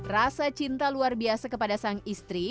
rasa cinta luar biasa kepada sang istri